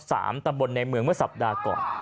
ตำบลในเมืองเมื่อสัปดาห์ก่อน